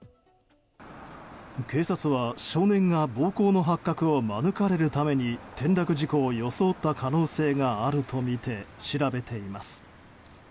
警察は少年が暴行の発覚を免れるために転落事故を装った可能性があるとみて調べています。